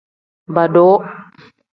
Bodu.